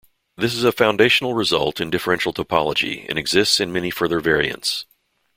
This is a foundational result in differential topology, and exists in many further variants.